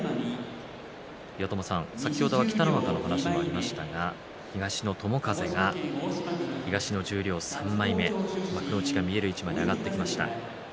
先ほど、北の若の話にありましたが東の友風は東の十両３枚目幕内が見える位置まで上がってきました。